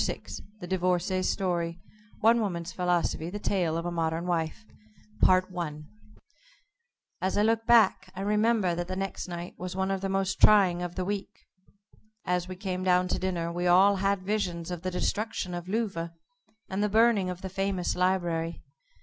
VI THE DIVORCÉE'S STORY ONE WOMAN'S PHILOSOPHY THE TALE OF A MODERN WIFE As I look back, I remember that the next night was one of the most trying of the week. As we came down to dinner we all had visions of the destruction of Louvain, and the burning of the famous library.